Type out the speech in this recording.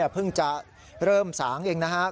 เพิ่งจะเริ่มสางเองนะครับ